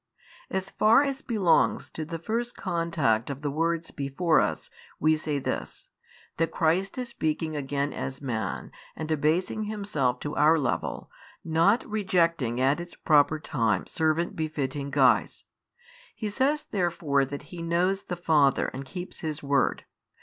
As far as belongs to the first contact of the words before us, we say this, that Christ is speaking again as man and abasing Himself to our level, not rejecting at its proper time servant befitting guise. He says therefore that He knows the Father and keeps His word.